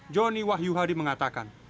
joni wahyu hadi mengatakan